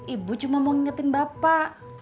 ibu cuma mau ngingetin bapak